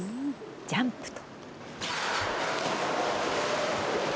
ジャンプと。